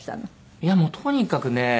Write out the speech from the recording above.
いやもうとにかくね。